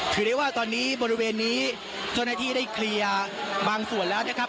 ถือได้ว่าตอนนี้บริเวณนี้เจ้าหน้าที่ได้เคลียร์บางส่วนแล้วนะครับ